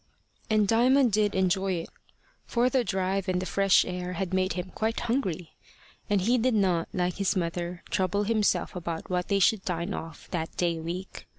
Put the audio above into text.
And Diamond did enjoy it. For the drive and the fresh air had made him quite hungry; and he did not, like his mother, trouble himself about what they should dine off that day week.